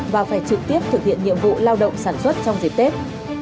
và phải trực tiếp thực hiện nhiệm vụ lao động sản xuất trong dịp tết